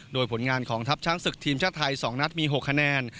โดยผลงานของทัพช้างศึกทีมชาติไทย๒นัดมี๖คะแนน